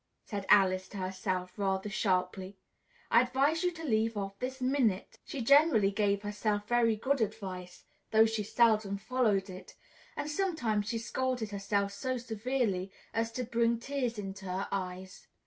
said Alice to herself rather sharply. "I advise you to leave off this minute!" She generally gave herself very good advice (though she very seldom followed it), and sometimes she scolded herself so severely as to bring tears into her eyes.